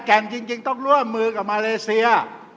จริงต้องร่วมมือกับมาเลเซีย